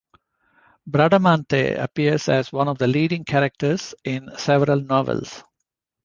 Bradamante appears as one of the leading characters in several novels.